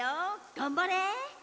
がんばれ！